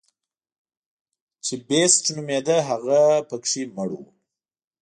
چې بېسټ نومېده هغه پکې مړ و.